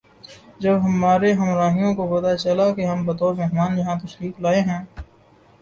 جب ہمارے ہمراہیوں کو پتہ چلا کہ ہم بطور مہمان یہاں تشریف لائے ہیں